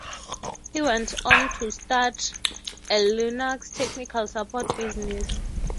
He went on to start a Linux technical support business.